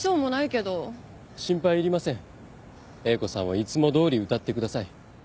英子さんはいつもどおり歌ってください。